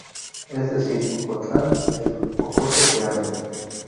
Es decir Ocotlán, el ocote que arde.